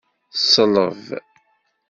Ṣleb.